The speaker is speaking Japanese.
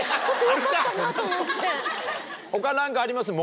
他何かあります？